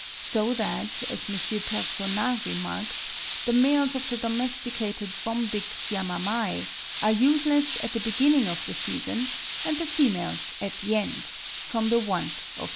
So that, as M. Personnat remarks, the males of the domesticated Bombyx Yamamai, are useless at the beginning of the season, and the females at the end, from the want of mates.